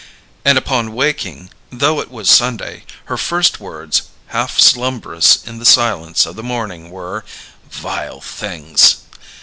And upon waking, though it was Sunday, her first words, half slumbrous in the silence of the morning, were, "Vile Things!"